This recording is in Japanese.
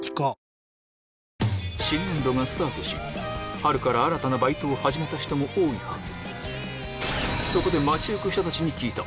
春から新たなバイトを始めた人も多いはず